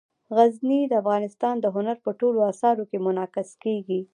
غزني د افغانستان د هنر په ټولو اثارو کې منعکس کېږي.